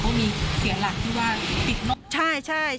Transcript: เขามีเสียหลักที่ว่าติดร่อง